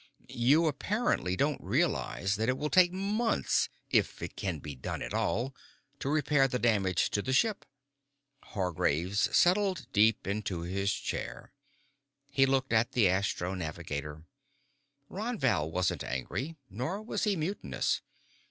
"You apparently don't realize that it will take months if it can be done at all to repair the damage to the ship." Hargraves settled deep into his chair. He looked at the astro navigator. Ron Val wasn't angry. Nor was he mutinous.